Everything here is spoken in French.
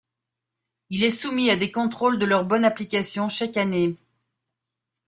Il est soumis à des contrôles de leur bonne application chaque année.